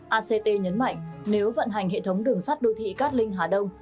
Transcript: act nhấn mạnh nếu vận hành hệ thống đường sắt đô thị cát linh hà đông